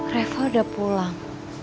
reva udah pulang